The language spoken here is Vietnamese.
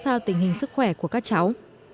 để theo dõi sát sao tình hình sức khỏe của các cháu